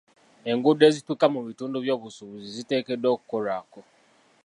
Enguudo ezituuka mu bitundu byobusuubuzi ziteekeddwa okukolwako.